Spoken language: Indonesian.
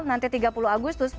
nanti tiga puluh agustus